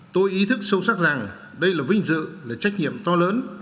tôi ý thức sâu sắc rằng đây là vinh dự là trách nhiệm to lớn